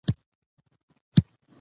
مولوي بشیر د لاهور اوسېدونکی دی.